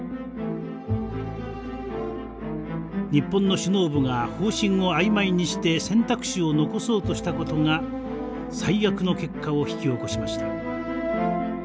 日本の首脳部が方針を曖昧にして選択肢を残そうとしたことが最悪の結果を引き起こしました。